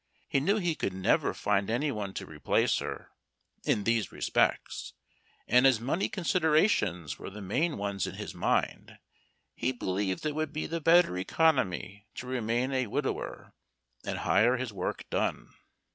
He knew he could never find any one to replace her, in these respects, and as money considerations were the main ones in his mind he believed it would be the better economy to remain a widower, and hire his work done.